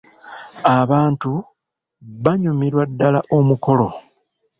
Abantu baanyumirwa ddala omukolo.